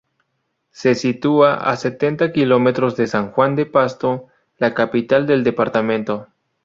Se sitúa a setenta kilómetros de San Juan de Pasto, la capital del departamento.